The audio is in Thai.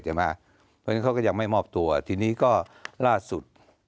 เพราะฉะนั้นเขาก็ยังไม่มอบตัวทีนี้ก็ล่าสุด